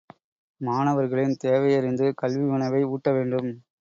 மாணவர்களின் தேவையறிந்து கல்வியுணவை ஊட்ட வேண்டும்.